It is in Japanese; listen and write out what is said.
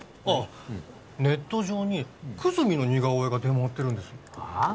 ああネット上に久住の似顔絵が出回ってるんですはあ？